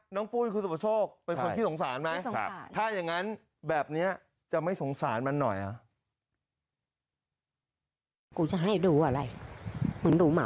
น้องปุ้ยคุณสมโชคเป็นคนขี้สงสารไหม